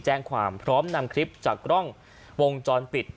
แจ้งความพร้อมนำคลิปจากกล้องวงจรปิด